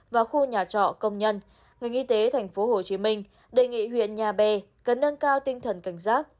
và khu nhà trọ công nhân ngành y tế tp hcm đề nghị huyện nhà bè cần nâng cao tinh thần cảnh giác